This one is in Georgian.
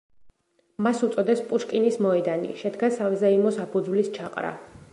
მას უწოდეს პუშკინის მოედანი, შედგა საზეიმო საფუძვლის ჩაყრა.